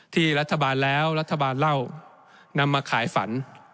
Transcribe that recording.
ที่รัฐบาลแล้วรัฐบาลเล่านำมาขายฝัน